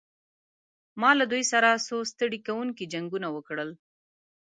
ما له دوی سره څو ستړي کوونکي جنګونه وکړل.